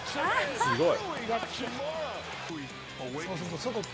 すごい。